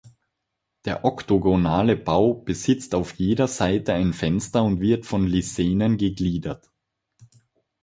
Der oktogonale Bau besitzt auf jeder Seite ein Fenster und wird von Lisenen gegliedert.